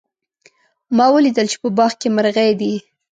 ما ولیدل چې په باغ کې مرغۍ دي